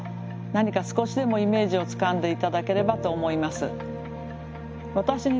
何か少しでもイメージをつかんで頂ければと思います。